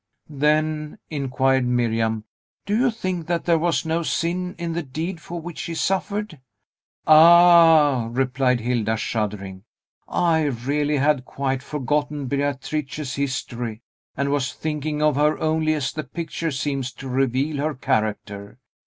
"Then," inquired Miriam, "do you think that there was no sin in the deed for which she suffered?" "Ah!" replied Hilda, shuddering, "I really had quite forgotten Beatrice's history, and was thinking of her only as the picture seems to reveal her character.